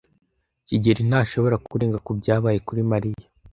kigeli ntashobora kurenga kubyabaye kuri Mariya.